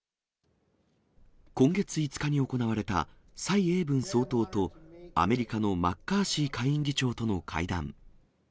今月５日に行われた蔡英文総統と、アメリカのマッカーシー下院議長との会談。